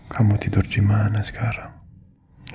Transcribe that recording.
kamu tidur di mana sekarang